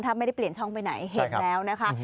ถ้าไม่ได้เปลี่ยนช่องไปไหนเห็นแล้วนะคะ